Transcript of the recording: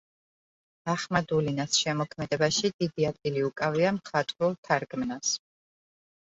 ახმადულინას შემოქმედებაში დიდი ადგილი უკავია მხატვრულ თარგმანს.